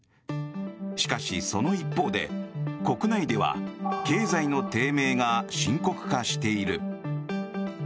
しかし、その一方で国内では経済の低迷が深刻化している。